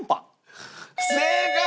正解！